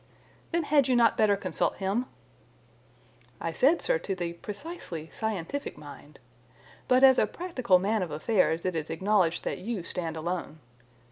"Then had you not better consult him?" "I said, sir, to the precisely scientific mind. But as a practical man of affairs it is acknowledged that you stand alone.